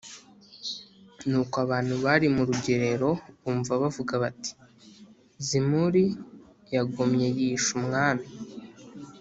Nuko abantu bari mu rugerero bumva bavuga bati “Zimuri yagomye yishe umwami”